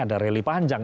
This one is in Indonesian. ada rally panjang